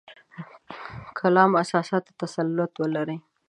کلام اساساتو تسلط ولري.